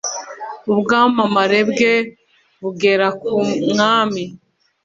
ubwamamare bwe bugera ku mwami